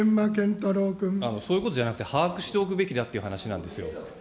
そういうことじゃなくて、把握しておくべきだって話なんですよ。